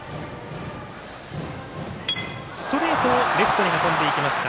ストレートをレフトに運んでいきました。